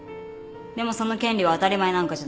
でもその権利は当たり前なんかじゃない。